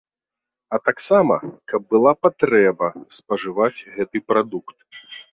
А таксама, каб была патрэба, спажываць гэты прадукт.